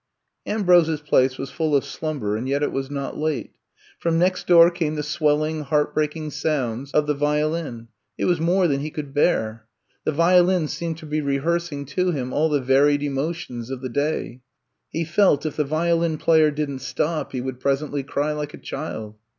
Ambrose 's place was full of slumber and yet it was not late. From next door came the swelling, heart breaking sounds of the 74 I'VE COME TO STAY violin. It was more than he could bear. The violin seemed to be rehearsing to him all the varied emotions of the day. He felt if the violin player didn^t stop he would presently cry like a child.